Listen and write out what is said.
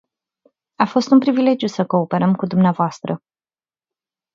A fost un privilegiu să cooperăm cu dvs.